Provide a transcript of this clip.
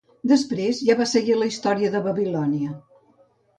Després, ja va seguir la història de Babilònia.